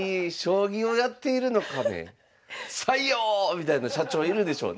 みたいな社長いるでしょうね。